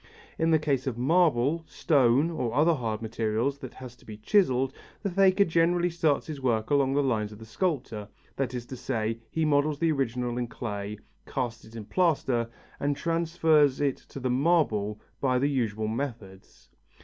In the case of marble, stone or other hard material that has to be chiselled, the faker generally starts his work along the lines of the sculptor, that is to say, he models the original in clay, casts it in plaster and transfers it to the marble by the usual methods.